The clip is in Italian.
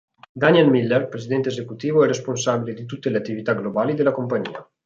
Daniel Miller, presidente esecutivo, è responsabile di tutte le attività globali della compagnia.